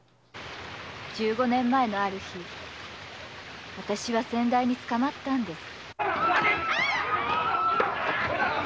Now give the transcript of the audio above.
十五年前のある日私は先代に捕まったんです。